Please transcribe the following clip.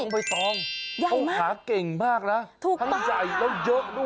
โบยทองเขาหาเก่งมากนะทั้งใหญ่แล้วเยอะด้วยอ่ะใหญ่มาก